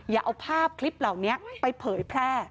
อย่าเอาภาพคลิปเหล่านี้ไปเผยแพร่